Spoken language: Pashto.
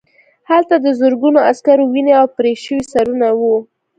هلته د زرګونو عسکرو وینې او پرې شوي سرونه وو